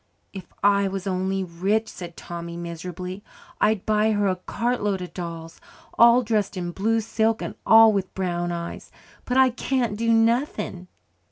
"If I was only rich," said Tommy miserably, "I'd buy her a cartload of dolls, all dressed in blue silk and all with brown eyes. But I can't do nothing."